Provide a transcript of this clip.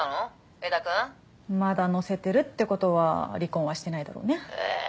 江田君まだ載せてるってことは離婚はしてないだろうねええー